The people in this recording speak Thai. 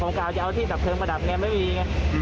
ผมกล่าวจะเอาที่สับเคริงประดับแน่ไม่มีไง